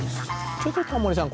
ちょっとタモリさん